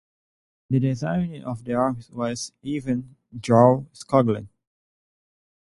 The designer of the arms was Even Jarl Skoglund.